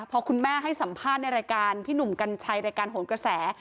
พอคุณแม่ให้สัมภาษณ์ในรายการพี่หนุ่มกัญชัยรายการโหนกระแส